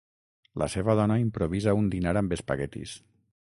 La seva dona improvisa un dinar amb espaguetis.